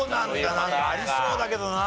なんかありそうだけどな。